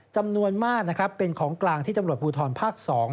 จำนวนมากนะครับเป็นของกลางที่ตำรวจภูทรภาค๒